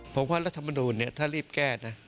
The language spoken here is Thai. ผมว่ารัฐมนูลถ้ารีบแก้นะ